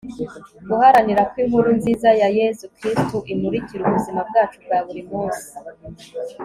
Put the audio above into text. guharanira ko inkuru nziza ya yezu kristu imurikira ubuzima bwacu bwa buri munsi